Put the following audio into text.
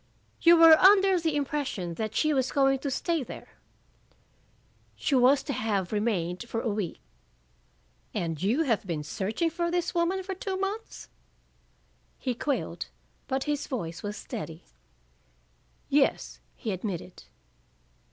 "You were under the impression that she was going to stay there?" "She was to have remained for a week." "And you have been searching for this woman for two months?" He quailed, but his voice was steady. "Yes," he admitted.